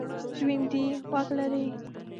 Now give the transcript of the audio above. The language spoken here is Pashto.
ژوندي غوږ لري